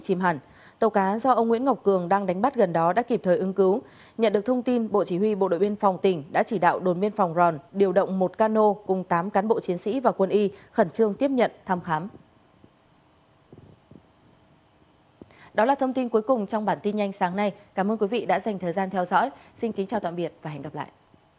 xin kính chào tạm biệt và hẹn gặp lại